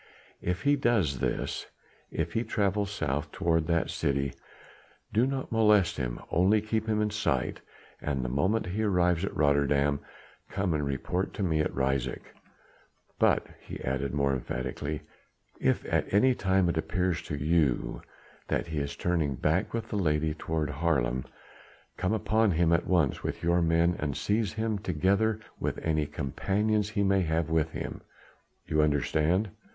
If he does this if he travel south toward that city, do not molest him, only keep him in sight, and the moment he arrives at Rotterdam come and report to me at Ryswyk. But," he added more emphatically, "if at any time it appears to you that he is turning back with the lady toward Haarlem come upon him at once with your men and seize him together with any companions he may have with him. You understand?"